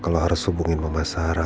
kalau harus hubungi mama sarah